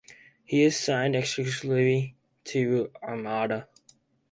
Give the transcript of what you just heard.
He is signed exclusively to Armada.